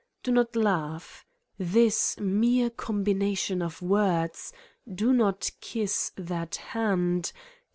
Do not laugh ! This mere combination of words : do not kiss that hand!